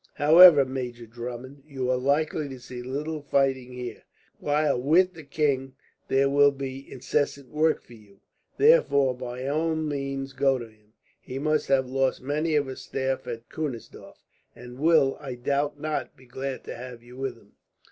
"However, Major Drummond, you are likely to see little fighting here; while with the king there will be incessant work for you. Therefore, by all means go to him. He must have lost many of his staff at Kunersdorf, and will, I doubt not, be glad to have you with him."